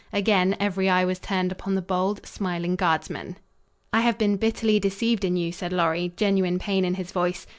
Again every eye was turned upon the bold, smiling guardsman. "I have been bitterly deceived in you," said Lorry, genuine pain in his voice.